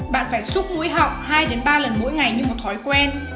bạn phải xúc mũi họng hai ba lần mỗi ngày như một thói quen